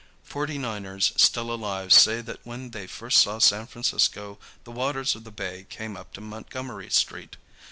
Forty niners still alive say that when they first saw San Francisco the waters of the bay came up to Montgomery Street.